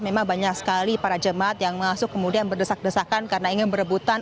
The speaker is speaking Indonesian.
memang banyak sekali para jemaat yang masuk kemudian berdesak desakan karena ingin berebutan